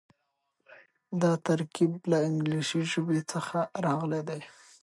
دا ترکيب له انګليسي ژبې څخه راغلی دی.